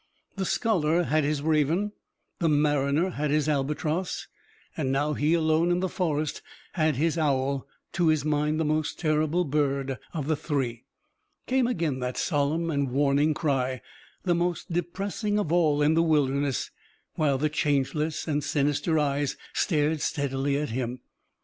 The scholar had his raven, the mariner had his albatross and now he alone in the forest had his owl, to his mind the most terrible bird of the three. Came again that solemn and warning cry, the most depressing of all in the wilderness, while the changeless and sinister eyes stared steadily at him.